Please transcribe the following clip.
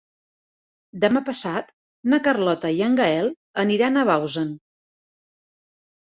Demà passat na Carlota i en Gaël aniran a Bausen.